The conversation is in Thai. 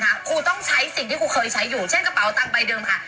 แบงค์ปลอมเราจะรู้สึกว่าแม่งของปลอม